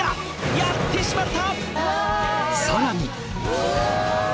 やってしまった！